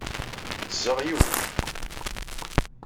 Ddzeɣ yiwet.